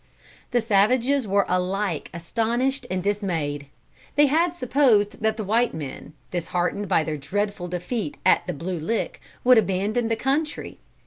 The savages were alike astonished and dismayed. They had supposed that the white men, disheartened by their dreadful defeat at the Blue Lick, would abandon the country.